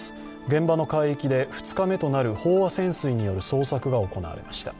現場の海域で２日目となる飽和潜水による捜索が行われました。